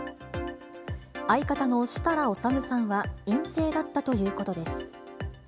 相方の設楽統さんは、陰性だったということです。